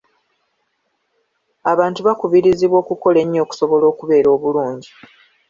Abantu bakubirizibwa okukola ennyo okusobola okubeera obulungi.